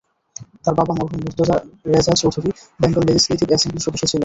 তাঁর বাবা মরহুম মোর্তজা রেজা চৌধুরী বেঙ্গল লেজিসলেটিভ অ্যাসেমব্লির সদস্য ছিলেন।